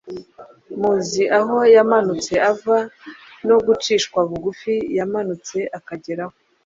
Muzi aho yamanutse ava, no gucishwa bugufi yamanutse akageraho